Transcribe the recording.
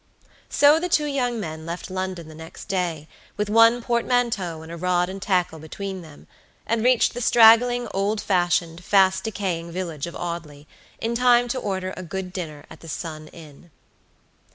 So the two young men left London the next day, with one portmanteau and a rod and tackle between them, and reached the straggling, old fashioned, fast decaying village of Audley, in time to order a good dinner at the Sun Inn.